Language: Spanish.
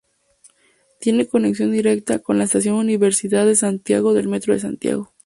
Tiene conexión directa con la estación Universidad de Santiago del Metro de Santiago.